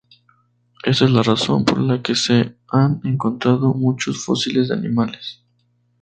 Esta es la razón por la que se han encontrado muchos fósiles de animales.